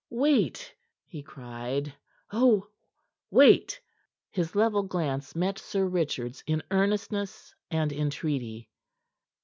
"Wait!" he cried. "Ah, wait!" His level glance met Sir Richard's in earnestness and entreaty.